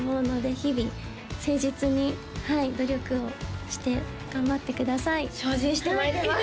日々誠実に努力をして頑張ってください精進してまいります！